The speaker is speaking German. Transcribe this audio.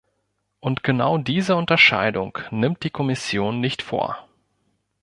Und genau diese Unterscheidung nimmt die Kommission nicht vor.